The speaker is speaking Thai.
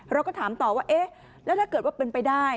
เราก็ถามต่อว่าเอ๊ะแล้วถ้าเกิดว่าเป็นไปได้